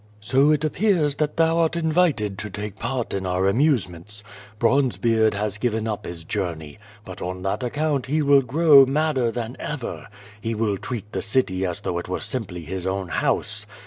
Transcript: "So it appears that thou art invited to take part in our amusements. Bronzebeard has given up his journey. But on that account he will grow madder than ever. He will treat the city as though it were simply his own house.